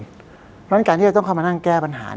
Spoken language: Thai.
เพราะฉะนั้นการที่เราต้องเข้ามานั่งแก้ปัญหา